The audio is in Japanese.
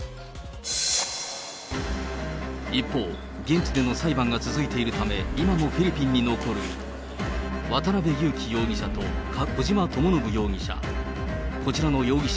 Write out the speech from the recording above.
一方、現地での裁判が続いているため、今もフィリピンに残る渡辺優樹容疑者と小島智信容疑者。